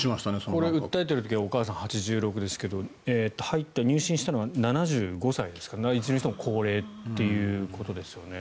これは訴えている時はお母さん、８６歳ですが入信した時は７５歳ですからいずれにしても高齢ということですね。